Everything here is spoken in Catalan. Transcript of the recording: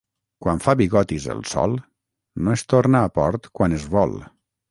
Quan fa bigotis el sol, no es torna a port quan es vol.